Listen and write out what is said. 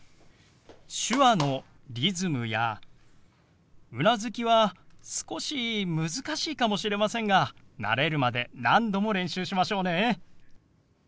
手話のリズムやうなずきは少し難しいかもしれませんが慣れるまで何度も練習しましょうね。